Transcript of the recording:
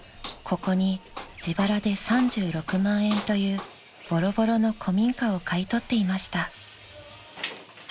ここに自腹で３６万円というボロボロの古民家を買い取っていました］